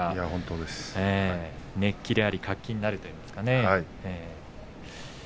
熱気であり活気になるということですね。